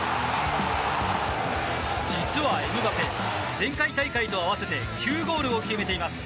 実は、エムバペ前回大会と合わせて９ゴールを決めています。